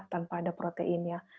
tanpa ada proteinnya